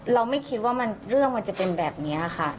เราไม่คิดว่าเรื่องมันจะเป็นแบบนี้ค่ะ